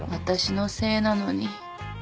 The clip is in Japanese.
私のせいなのに。